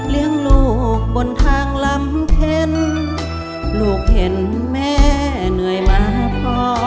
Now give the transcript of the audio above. ลูกบนทางลำเข็นลูกเห็นแม่เหนื่อยมาพ่อ